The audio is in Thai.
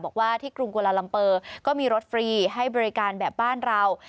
บอกว่าที่กรุงกวาลาลัมเปอร์ก็มีรถฟรีให้บริการแบบบ้านเรา